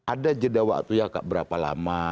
ada jeda waktu ya kak berapa lama begitu ya